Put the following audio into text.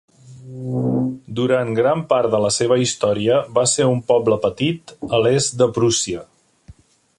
Durant gran part de la seva història va ser un poble petit a l'est de Prússia.